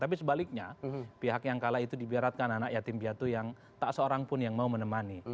tapi sebaliknya pihak yang kalah itu dibaratkan anak yatim piatu yang tak seorang pun yang mau menemani